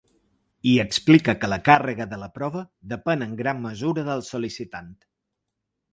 I explica que la càrrega de la prova depèn en gran mesura del sol·licitant.